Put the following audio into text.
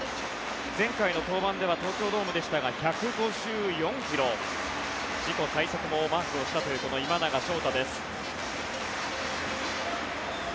前回の登板では東京ドームでしたが１５４ｋｍ自己最速もマークしたという今永昇太です。